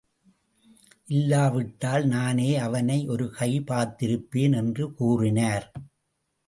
இல்லாவிட்டால் நானே அவனை ஒரு கை பார்த்திருப்பேன் என்று கூறினார்.